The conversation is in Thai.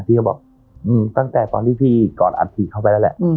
พี่ก็บอกตั้งแต่ตอนที่พี่ก่อนอัดฉีดเข้าไปแล้วแหละ